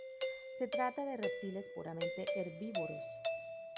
Se trata de reptiles puramente herbívoros.